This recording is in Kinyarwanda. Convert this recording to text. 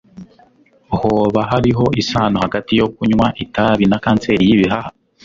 Hoba hariho isano hagati yo kunywa itabi na kanseri y'ibihaha?